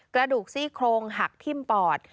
กระดูกซี่โครงหักทิ้มปอด